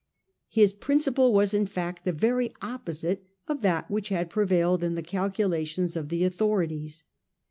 His principle was, in fact, the very opposite of that which had prevailed in the cal culations of the authorities.